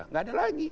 tidak ada lagi